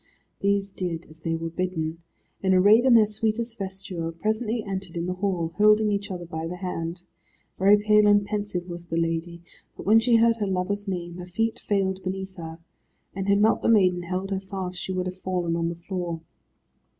These did as they were bidden, and arrayed in their sweetest vesture, presently entered in the hall, holding each other by the hand. Very pale and pensive was the lady, but when she heard her lover's name her feet failed beneath her, and had not the maiden held her fast, she would have fallen on the floor.